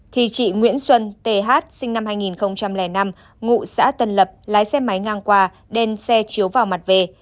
thì chị nguyễn xuân th sinh năm hai nghìn năm ngụ xã tân lập lái xe máy ngang qua đem xe chiếu vào mặt về